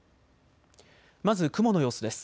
まず雲の様子です。